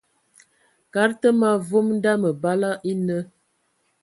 Kad tə ma vom nda məbala e nə.